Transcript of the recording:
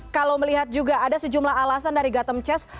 kalau melihat juga ada sejumlah alasan dari gotham chess